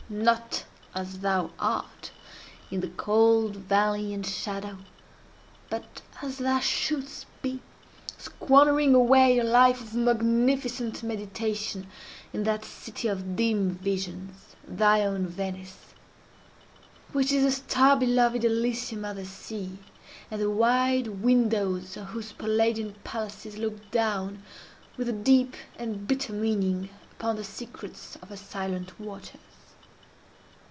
not as thou art—in the cold valley and shadow—but as thou shouldst be—squandering away a life of magnificent meditation in that city of dim visions, thine own Venice—which is a star beloved Elysium of the sea, and the wide windows of whose Palladian palaces look down with a deep and bitter meaning upon the secrets of her silent waters.